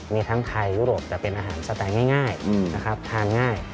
มีทั้งไทยยุโรปแต่เป็นอาหารสไตล์ง่ายนะครับทานง่าย